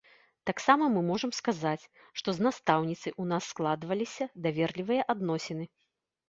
Таксама мы можам сказаць, што з настаўніцай у нас складваліся даверлівыя адносіны.